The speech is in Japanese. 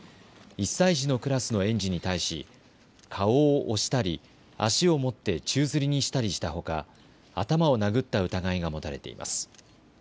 １歳児のクラスの園児に対し顔を押したり足を持って宙づりにしたりしたほか頭を殴った疑いが持たれています。